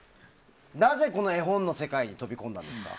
なぜこの絵本の世界に飛び込んだんですか？